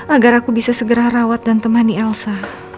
agar aku bisa segera rawat dan temani elsa